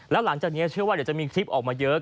แล้วหลังจากนี้เชื่อว่าเดี๋ยวจะมีคลิปออกมาเยอะ